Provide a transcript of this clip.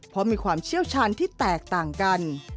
เพราะมีความเชี่ยวชาญที่แตกต่างกัน